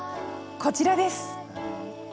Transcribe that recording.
こちらです。